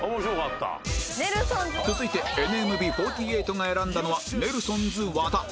続いて ＮＭＢ４８ が選んだのはネルソンズ和田